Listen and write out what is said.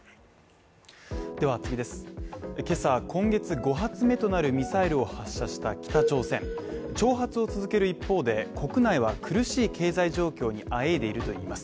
今月５発目となるミサイルを発射した北朝鮮挑発を続ける一方で、国内は苦しい経済状況にあえいでいるといいます。